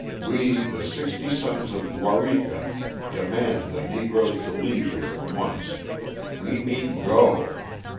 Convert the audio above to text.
We, the Sixty Sons of Waurika, demand the Negroes to leave here at once. We mean Go!